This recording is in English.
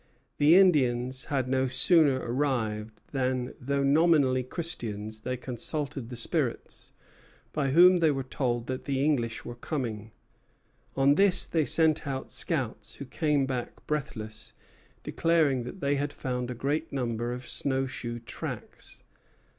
The Indians had no sooner arrived than, though nominally Christians, they consulted the spirits, by whom they were told that the English were coming. On this they sent out scouts, who came back breathless, declaring that they had found a great number of snow shoe tracks.